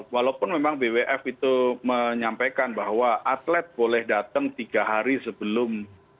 walaupun memang bwf itu menyampaikan bahwa atlet boleh datang tiga hari sebelum